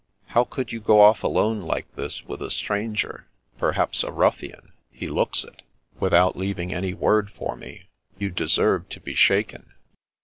" How could you go off alone like this with a stranger, perhaps a ruffian (he looks it), without leaving any word for me ? You deserve to be shaken."